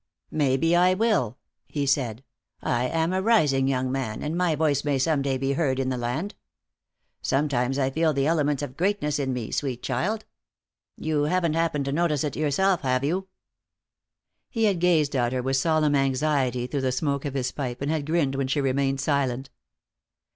"Maybe I will," he said. "I am a rising young man, and my voice may some day be heard in the land. Sometimes I feel the elements of greatness in me, sweet child. You haven't happened to notice it yourself, have you?" He had gazed at her with solemn anxiety through the smoke of his pipe, and had grinned when she remained silent.